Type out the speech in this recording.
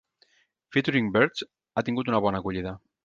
"Featuring "Birds" ha tingut una bona acollida.